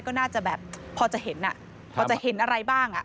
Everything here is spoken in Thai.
ก็น่าจะแบบพอจะเห็นอะไรบ้าง